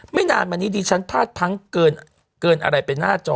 นานมานี้ดิฉันพลาดพังเกินอะไรไปหน้าจอ